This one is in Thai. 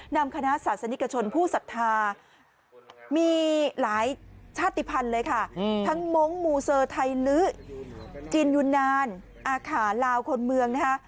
นำคณะศาสนิกชนผู้ศรัทธามีหลายชาติภัณฑ์เลยค่ะทั้งมงค์มูเซอร์ไทยลื้อจินยูนานอาขาลาวคนเมืองนะคะ